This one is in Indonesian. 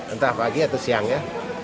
entah pagi atau siang ya